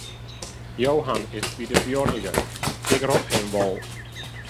Johan is by de buorlju, ik rop him wol.